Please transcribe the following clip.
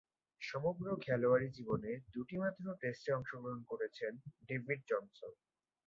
সমগ্র খেলোয়াড়ী জীবনে দুইটিমাত্র টেস্টে অংশগ্রহণ করেছেন ডেভিড জনসন।